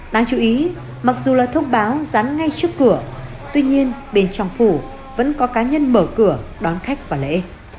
đáng chú ý mặc dù là thông báo dán ngay trước cửa tuy nhiên bên trong phủ vẫn có cá nhân mở cửa đón khách vào lễ